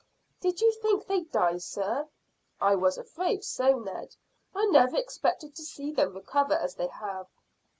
"Did you think they'd die, sir?" "I was afraid so, Ned. I never expected to see them recover as they have."